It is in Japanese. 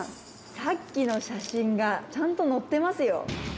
さっきの写真がちゃんと載ってますよ。